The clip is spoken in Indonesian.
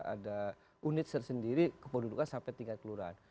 ada unit tersendiri kependudukan sampai tingkat kelurahan